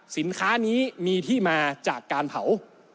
สินค้านี้มีที่มาจากการเผา